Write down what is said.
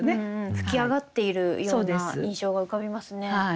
噴き上がっているような印象が浮かびますね。